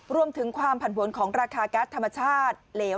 รวมถึงความผ่านผลของราคาการ์ดธรรมชาติเหลว